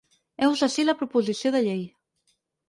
Heus ací la proposició de llei.